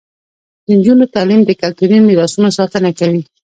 د نجونو تعلیم د کلتوري میراثونو ساتنه کوي.